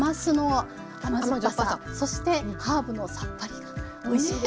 そしてハーブのさっぱりがおいしいですよね。